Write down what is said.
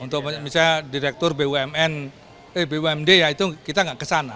ya untuk misalnya direktur bumd ya itu kita tidak ke sana